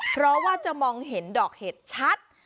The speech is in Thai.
เพราะว่าจะมองเห็นดอกเห็ดชัด